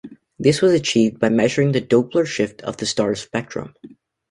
This was achieved by measuring the Doppler shift of the star's spectrum.